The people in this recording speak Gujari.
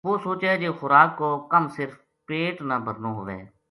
ویہ سوچے جے خوراک کو کم صرف پیٹ نا بھرنو ہوے